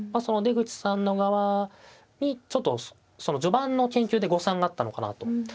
その出口さんの側にちょっとその序盤の研究で誤算があったのかなと。